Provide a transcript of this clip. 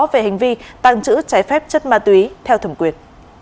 về hành vi tàng trữ trái phép chất ma túy theo thẩm quyền